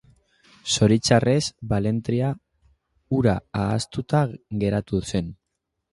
Zoritxarrez, balentria hura ahaztuta geratu zen.